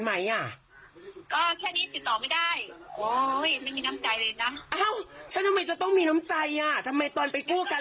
อ้าวฉันทำไมจะต้องมีน้ำใจทำไมตอนไปกู้กัน